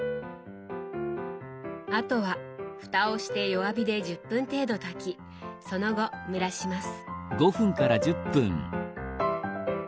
あとはふたをして弱火で１０分程度炊きその後蒸らします。